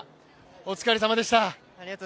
お疲れさまでした。